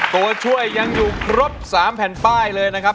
ตัวช่วยยังอยู่ครบ๓แผ่นป้ายเลยนะครับ